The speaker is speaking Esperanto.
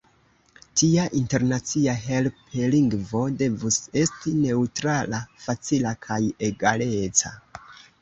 Tia internacia helplingvo devus esti neŭtrala, facila kaj egaleca.